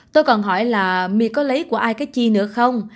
tôi còn hỏi là my có lấy của ai cái chi nữa không